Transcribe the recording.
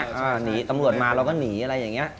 หนีตำรวจมาเราก็หนีอะไรอย่างนี้